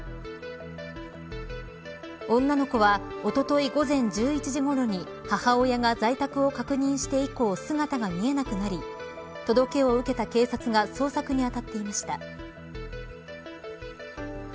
女の子はおととい午前１１時ごろに母親が在宅を確認して以降姿が見えなくなり届けを受けた警察が捜索にあたっていました。